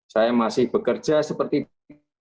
saya masih bekerja seperti biasa